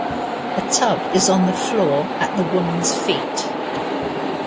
A tub is on the floor at the woman's feet.